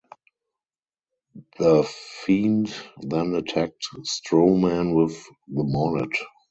The Fiend then attacked Strowman with the mallet.